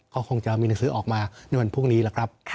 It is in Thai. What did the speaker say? ก็คงจะมีหนังสือออกมาในวันพรุ่งนี้แหละครับ